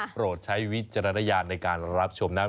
โปรดใช้วิจารณญาณในการรับชมนะครับ